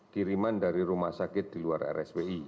kiriman dari rumah sakit di luar rspi